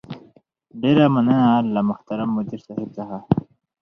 ډېره مننه له محترم مدير صيب څخه